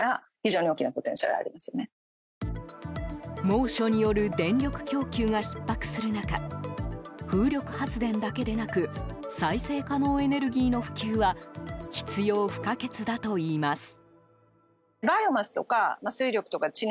猛暑による電力供給がひっ迫する中風力発電だけでなく再生可能エネルギーの普及は必要不可欠だといいます。